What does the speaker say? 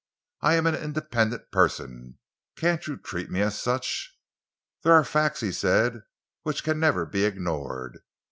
I am an independent person. Can't you treat me as such?" "There are facts," he said, "which can never be ignored.